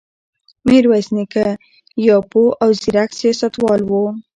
میرویس نیکه یو پوه او زیرک سیاستوال و.